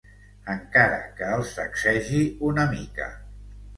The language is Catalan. Encara que el sacsegi una mica.